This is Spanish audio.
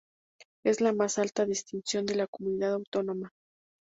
Es la más alta distinción de la comunidad autónoma.